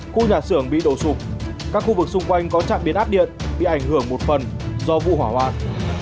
khu nhà xưởng bị đổ sụp các khu vực xung quanh có trạm biến áp điện bị ảnh hưởng một phần do vụ hỏa hoạn